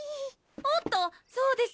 おっとそうです